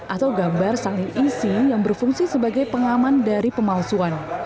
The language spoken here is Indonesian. atau gambar saling isi yang berfungsi sebagai pengaman dari pemalsuan